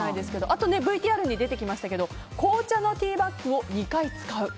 あとＶＴＲに出てきましたけど紅茶のティーバッグを２回使う。